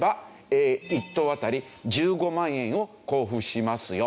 １頭あたり１５万円を交付しますよ。